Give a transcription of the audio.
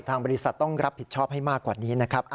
ทางบริษัทต้องรับผิดชอบให้มากกว่านี้นะครับ